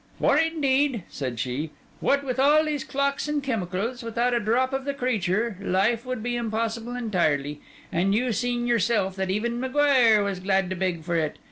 'For indeed,' said she, 'what with all these clocks and chemicals, without a drop of the creature life would be impossible entirely. And you seen yourself that even M'Guire was glad to beg for it.